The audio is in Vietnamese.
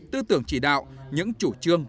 tư tưởng chỉ đạo những chủ trương